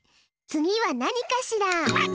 つぎはなにかしら？